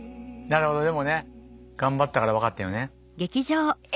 なるほどでもね頑張ったから分かったよね。